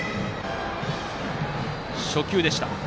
初球でした。